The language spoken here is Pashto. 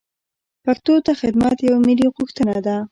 پښتو ته خدمت یوه ملي غوښتنه ده.